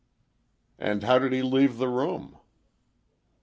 "And how did he leave the room?"